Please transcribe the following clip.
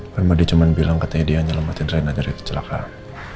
parmadi cuma bilang katanya dia yang nyelamatin reina dari kecelakaan